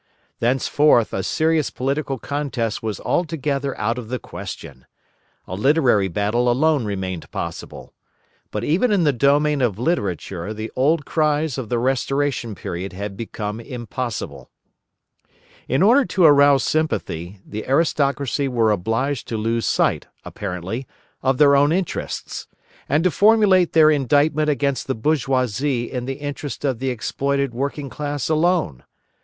Thenceforth, a serious political contest was altogether out of the question. A literary battle alone remained possible. But even in the domain of literature the old cries of the restoration period had become impossible. In order to arouse sympathy, the aristocracy were obliged to lose sight, apparently, of their own interests, and to formulate their indictment against the bourgeoisie in the interest of the exploited working class alone.